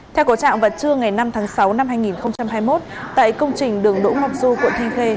theo có trạng vào trưa ngày năm tháng sáu năm hai nghìn hai mươi một tại công trình đường đỗ ngọc du quận thanh khê